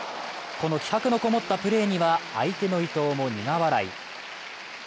この気迫のこもったプレーには相手の伊藤も苦笑い。